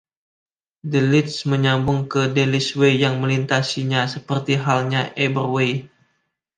The Leeds menyambung ke Dales Way yang melintasinya, seperti halnya Ebor Way.